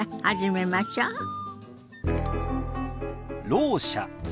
「ろう者」。